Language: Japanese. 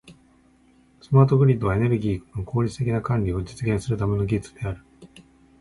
スマートグリッドは、エネルギーの効率的な管理を実現するための技術である。